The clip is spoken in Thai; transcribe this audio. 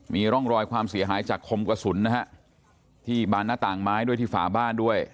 มีร่องรอยความเสียหายจากคมกระสุนนะฮะที่บานหน้าต่างไม้ด้วยที่ฝาบ้านด้วย